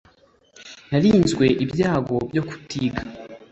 narinzwe ibyago byo kutiga